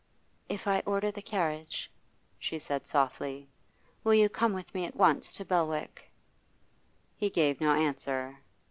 'If I order the carriage,' she said softly, 'will you come with me at once to Belwick?' He gave no answer.